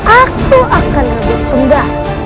aku akan ragu tunggal